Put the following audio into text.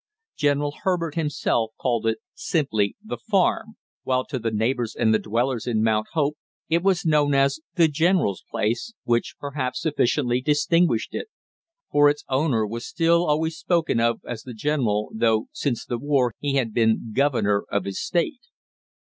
General Herbert himself called it simply the farm, while to the neighbors and the dwellers in Mount Hope it was known as the general's place, which perhaps sufficiently distinguished it; for its owner was still always spoken of as the general, though since the war he had been governor of his state.